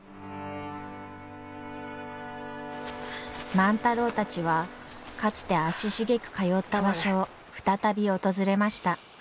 万太郎たちはかつて足しげく通った場所を再び訪れました。